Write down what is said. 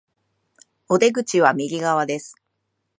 お出口は右側です